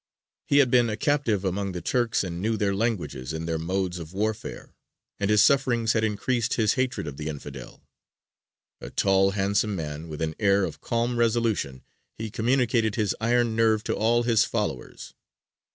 He had been a captive among the Turks, and knew their languages and their modes of warfare; and his sufferings had increased his hatred of the Infidel. A tall, handsome man, with an air of calm resolution, he communicated his iron nerve to all his followers.